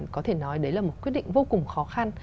có thể nói đấy là một quyết định vô cùng khó khăn